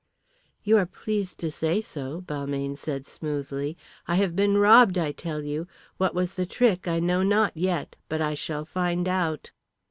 "You are pleased to say so," Balmayne said smoothly. "I have been robbed, I tell you. What was the trick I know not yet, but I shall find out."